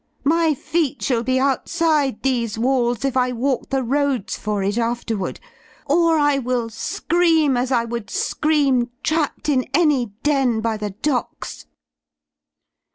My feet shall be outside these walls if I walk the roads for it after ward; or I will scream as I would scream trapped in any den by the Docks."